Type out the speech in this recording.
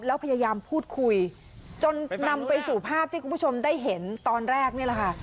แล้วพยายามพูดคุยจนนำไปสู่ภาพที่คุณผู้ชมได้เห็นตอนแรกนี่แหละค่ะ